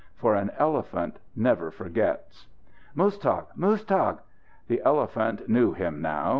For an elephant never forgets. "Muztagh! Muztagh!" The elephant knew him now.